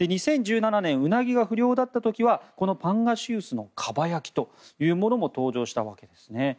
２０１７年ウナギが不漁だった時はこのパンガシウスのかば焼きというものも登場したわけですね。